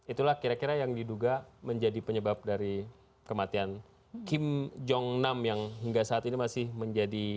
itulah kira kira yang diduga menjadi penyebab dari kematian kim jong nam yang hingga saat ini masih menjadi